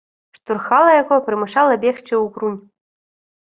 Штурхала яго, прымушала бегчы ўгрунь.